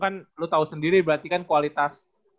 kan lu tahu sendiri berarti kan kualitas